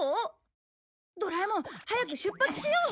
ドラえもん早く出発しよう！